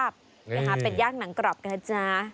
เป็นย่างหนังกรอบกันนะจ๊ะ